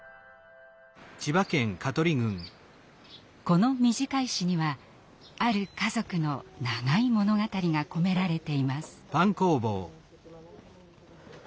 この短い詩にはある家族の長い物語が込められています。